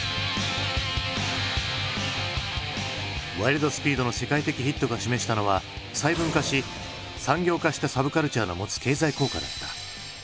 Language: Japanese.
「ワイルド・スピード」の世界的ヒットが示したのは細分化し産業化したサブカルチャーの持つ経済効果だった。